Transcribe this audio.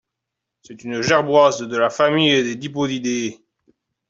C'est une gerboise de la famille des Dipodidés.